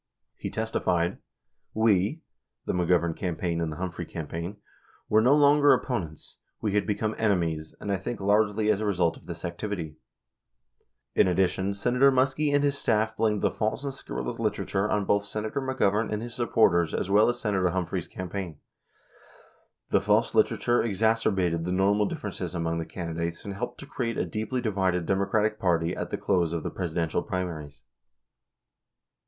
He testified : We [the McGovern campaign and the Humphrey cam paign] were no longer opponents; we had become enemies, and I think largely as a result of this activity. 93 In addition, Senator Muskie and his staff blamed the false and scurrilous literature on both Senator McGovern and his supporters as well as Senator Humphrey's campaign. 94 The false literature exac erbated the normal differences among the candidates and helped to create a deeply divided Democratic Party at the close of the Presiden tial primaries.